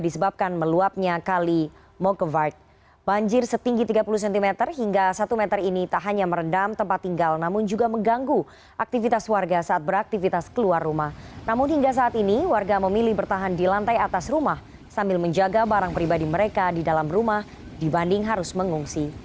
sambil menjaga barang pribadi mereka di dalam rumah dibanding harus mengungsi